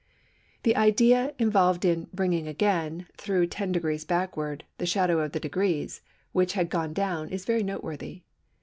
The idea involved in "bringing again," through "ten degrees backward," "the shadow of the degrees" which had gone down, is very noteworthy.